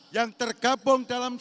yang tergabung dalam